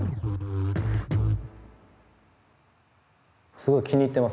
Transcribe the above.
すごい気に入ってます